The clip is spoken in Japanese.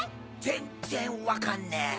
全っ然分かんねえ。